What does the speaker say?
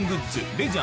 レジャー